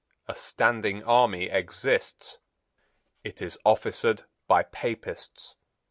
A standing army exists. It is officered by Papists.